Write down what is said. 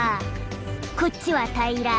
こっちは平ら。